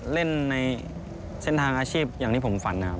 เล่นในเส้นทางอาชีพอย่างที่ผมฝันนะครับ